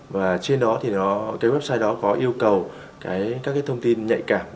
và trên đó thì cái website đó có yêu cầu các cái thông tin nhạy cảm